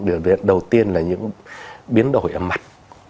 biểu hiện đầu tiên là những biến đổi mặt